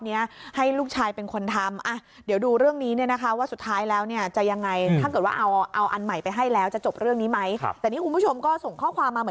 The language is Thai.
นะฮะผู้หญิงคนที่โพสต์ก็บอกว่าทางร้านขอว่าจะไปแจ้งความสะนอทุ่มครุ